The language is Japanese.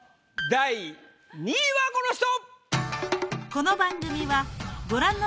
第２位はこの人！